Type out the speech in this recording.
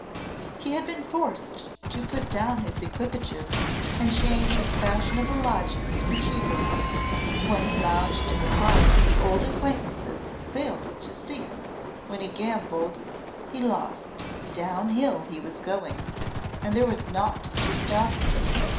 He had been forced to put down his equipages and change his fashionable lodgings for cheaper ones; when he lounged in the park his old acquaintances failed to see him; when he gambled he lost. Downhill he was going, and there was naught to stop him.